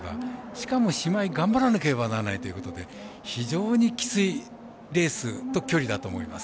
しかも、しまい頑張らなければらないということで非常にきついレースと距離だと思います。